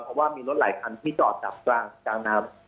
เพราะว่ามีรถหลายคันที่จอดดับกลางน้ำ